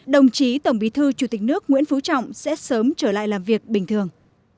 đồng chí tổng bí thư chủ tịch nước nguyễn phú trọng sẽ sớm trở lại làm việc bình thường